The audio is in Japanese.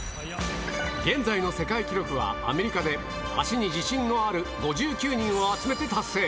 現在の世界記録は、アメリカで足に自信のある５９人を集めて達成。